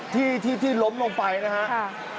ที่ล้มลงไปนะครับ